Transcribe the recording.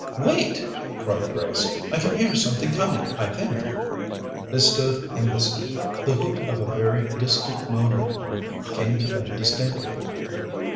"Wait!" cried Grace. "I can hear something coming, I think." They stood and listened. The hoot of a very distant motor horn came to them distinctly.